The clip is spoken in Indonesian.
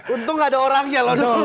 untung gak ada orangnya